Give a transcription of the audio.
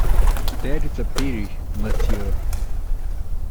That is a pity, monsieur.